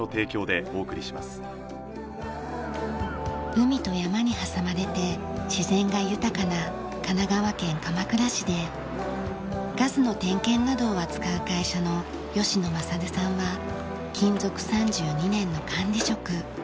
海と山に挟まれて自然が豊かな神奈川県鎌倉市でガスの点検などを扱う会社の吉野大さんは勤続３２年の管理職。